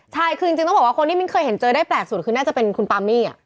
ใช่คือจริงต้องบอกว่าคนที่มิ้นเคยเห็นเจอได้แปลกสุดคือน่าจะเป็นคุณปามี่